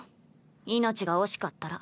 命が惜しかったら。